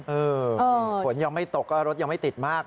เออผลยังไม่ตกรถยังไม่ติดมากค่ะ